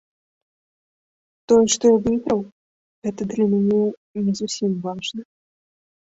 Тое, што я выйграў, гэта для мяне не зусім важна.